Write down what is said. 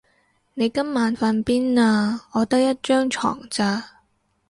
你今晚瞓邊啊？我得一張床咋